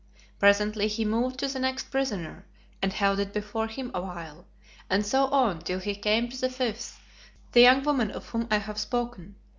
Presently he moved to the next prisoner and held it before him awhile, and so on till he came to the fifth, that young woman of whom I have spoken.